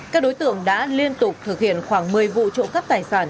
các đối tượng đã liên tục thực hiện khoảng một mươi vụ trộm cắp tài sản